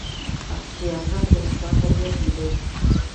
حقیقي ارزښت د انسان په نیت کې دی.